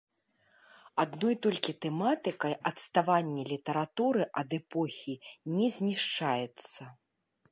Адной толькі тэматыкай адставанне літаратуры ад эпохі не знішчаецца.